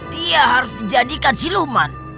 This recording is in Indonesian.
dia harus dijadikan siluman